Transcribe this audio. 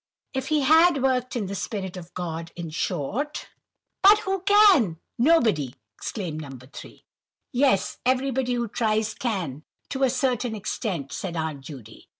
If he had worked in the spirit of God, in short." "But who can?—Nobody," exclaimed No. 3. "Yes, everybody, who tries, can, to a certain extent," said Aunt Judy.